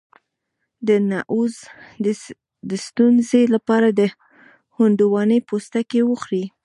د نعوظ د ستونزې لپاره د هندواڼې پوستکی وخورئ